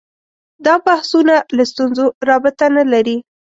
دا بحثونه له ستونزو رابطه نه لري